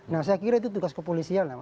nah saya kira itu tugas kepolisian